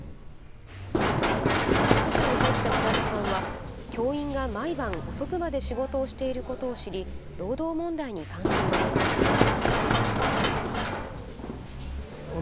宿舎に入った平田さんは教員が毎晩、遅くまで仕事をしていることを知り労働問題に関心を持ったのです。